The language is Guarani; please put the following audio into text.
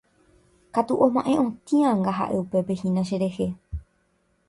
katu oma'ẽ otĩ anga ha'e upépe hína cherehe